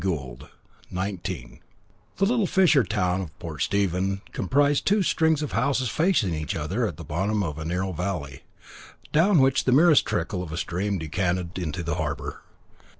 THE "BOLD VENTURE" The little fisher town of Portstephen comprised two strings of houses facing each other at the bottom of a narrow valley, down which the merest trickle of a stream decanted into the harbour.